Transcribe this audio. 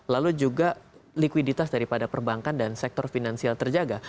lalu juga likuiditas daripada perbankan dan sektor finansial terjaga